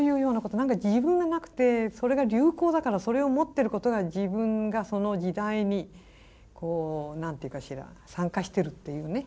何か自分がなくてそれが流行だからそれを持ってることが自分がその時代にこう何て言うかしら参加してるっていうね。